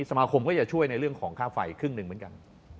สมาคมก็จะช่วยในเรื่องของค่าไฟครึ่งหนึ่งเหมือนกัน